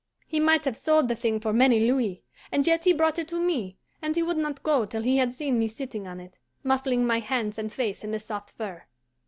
He might have sold the thing for many louis, and yet he brought it to me; and he would not go till he had seen me sitting on it, muffling my hands and face in the soft fur.